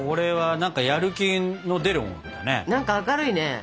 何か明るいね。